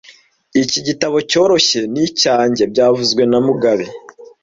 Iki gitabo cyoroshye ni icyanjye byavuzwe na mugabe